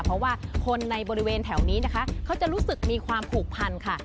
เพราะว่าคนในบริเวณแถวนี้นะคะเขาจะรู้สึกมีความผูกพันค่ะ